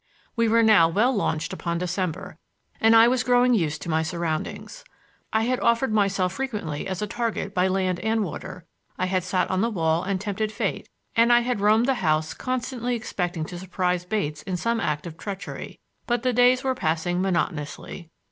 We were now well launched upon December, and I was growing used to my surroundings. I had offered myself frequently as a target by land and water; I had sat on the wall and tempted fate; and I had roamed the house constantly expecting to surprise Bates in some act of treachery; but the days were passing monotonously.